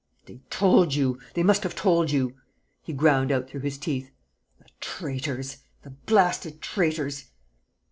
"They told you! They must have told you!" he ground out through his teeth. "The traitors the blasted traitors!"